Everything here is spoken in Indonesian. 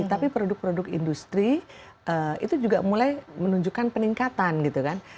tapi produk produk industri itu juga mulai menunjukkan peningkatan gitu kan